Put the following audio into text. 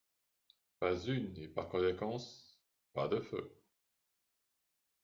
Pas une, et par conséquent pas de feu!